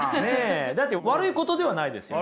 だって悪いことではないですよね。